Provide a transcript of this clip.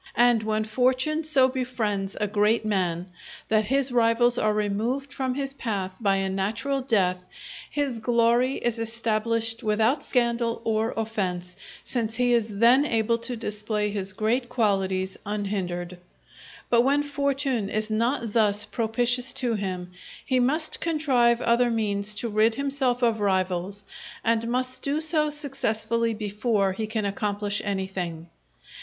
And when fortune so befriends a great man that his rivals are removed from his path by a natural death, his glory is established without scandal or offence, since he is then able to display his great qualities unhindered. But when fortune is not thus propitious to him, he must contrive other means to rid himself of rivals, and must do so successfully before he can accomplish anything.